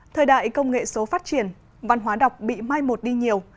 thời đại công nghệ số phát triển văn hóa đọc bị mai một đi nhiều